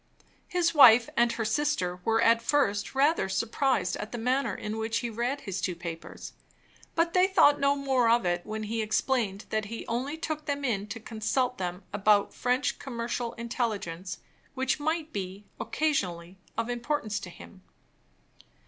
His wife and her sister were at first rather surprised at the manner in which he read his two papers; but they thought no more of it when he explained that he only took them in to consult them about French commercial intelligence, which might be, occasionally, of importance to him.